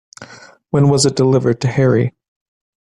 When was it delivered to Harry?